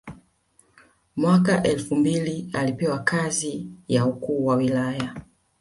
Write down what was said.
Mwaka elfu mbili alipewa kazi ya Ukuu wa Wilaya